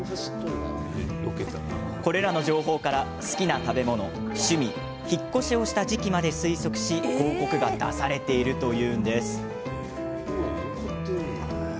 これらの情報から好きな食べ物、趣味引っ越しをした時期まで推測し広告が出されているというんです。